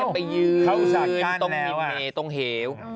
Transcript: เพื่อที่จะไปยืนตรงมิมเมตรตรงเหว